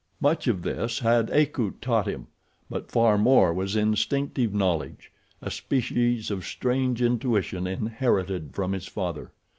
Much of this had Akut taught him, but far more was instinctive knowledge—a species of strange intuition inherited from his father.